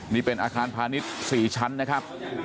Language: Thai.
นี่เป็นอาคารพาณิชย์๔ชั้นนะครับ